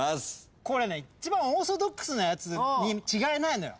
これね一番オーソドックスなやつに違いないのよ。